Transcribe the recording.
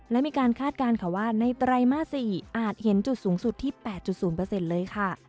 และมีการคาดการณ์ค่ะว่าในไตรมาส๔อาจเห็นจุดสูงสุดที่๘๐เลยค่ะ